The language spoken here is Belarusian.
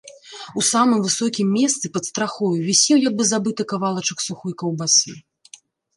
У самым высокім месцы пад страхою вісеў як бы забыты кавалачак сухой каўбасы.